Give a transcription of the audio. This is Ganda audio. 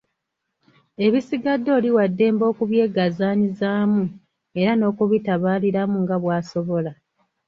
Ebisigadde oli wa ddembe okubyegazaanyizaamu era n’okubitabaaliramu nga bw’osobola.